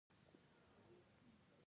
تورن جنرال د قول اردو مشري کوي